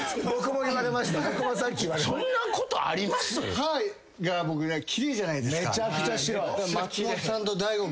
そんなことあります？